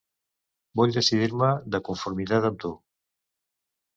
Vull decidir-me de conformitat amb tu.